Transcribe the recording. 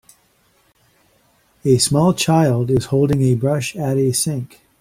A small child is holding a brush at a sink.